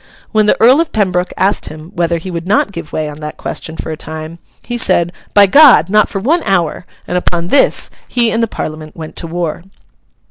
When the Earl of Pembroke asked him whether he would not give way on that question for a time, he said, 'By God! not for one hour!' and upon this he and the Parliament went to war.